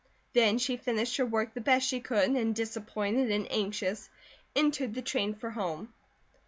Then she finished her work the best she could, and disappointed and anxious, entered the train for home.